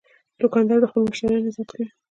دوکاندار د خپلو مشتریانو عزت کوي.